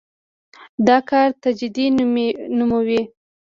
دا کار تجدید نوموي.